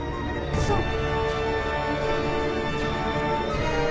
そう。